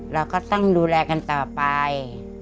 เราก็ต้องดูแลกันต่อไป